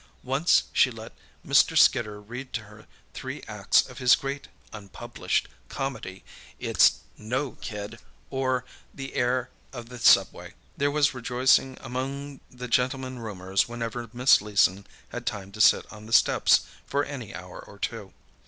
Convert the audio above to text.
Once she let Mr. Skidder read to her three acts of his great (unpublished) comedy, "It's No Kid; or, The Heir of the Subway." There was rejoicing among the gentlemen roomers whenever Miss Leeson had time to sit on the steps for an hour or two.